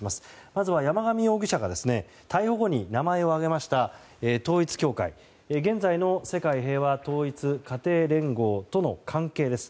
まずは山上容疑者が逮捕後に名前を挙げました統一教会現在の世界平和統一家庭連合との関係です。